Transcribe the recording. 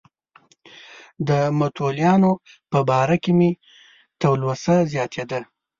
د متولیانو په باره کې مې تلوسه زیاتېدله.